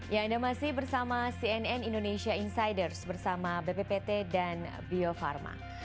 ya anda masih bersama cnn indonesia insiders bersama bppt dan bio farma